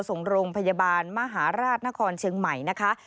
ส่งโรงพยาบาลมหาราชนครเชียงใหม่นะคะ